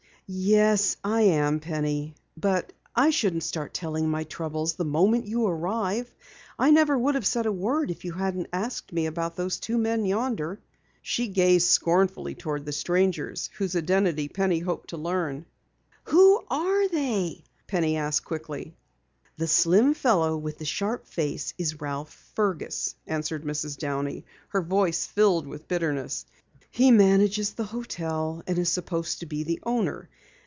"Yes, I am, Penny. But I shouldn't start telling my troubles the moment you arrive. I never would have said a word if you hadn't asked me about those two men yonder." She gazed scornfully toward the strangers whose identity Penny hoped to learn. "Who are they?" Penny asked quickly. "The slim fellow with the sharp face is Ralph Fergus," answered Mrs. Downey, her voice filled with bitterness. "He manages the hotel and is supposed to be the owner.